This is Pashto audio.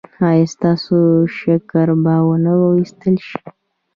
ایا ستاسو شکر به و نه ویستل شي؟